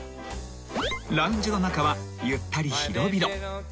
［ラウンジの中はゆったり広々］